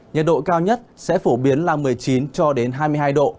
nhiệt độ cao nhất sẽ phổ biến là một mươi chín cho đến hai mươi hai độ